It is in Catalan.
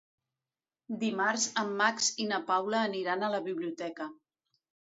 Dimarts en Max i na Paula aniran a la biblioteca.